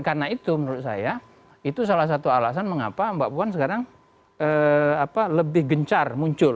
karena itu menurut saya itu salah satu alasan mengapa mbak puan sekarang lebih gencar muncul